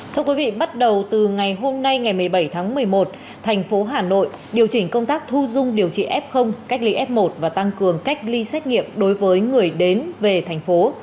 thưa quý vị bắt đầu từ ngày hôm nay ngày một mươi bảy tháng một mươi một thành phố hà nội điều chỉnh công tác thu dung điều trị f cách ly f một và tăng cường cách ly xét nghiệm đối với người đến về thành phố